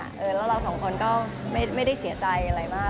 แล้วเราสองคนก็ไม่ได้เสียใจอะไรมาก